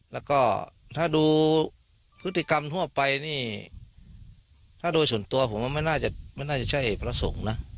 แล้วก็ถ้าดูพฤติกรรมทั่วไปนี่ถ้าดูส่วนตัวผมมันน่าจะใช่พระสงฆ์นะ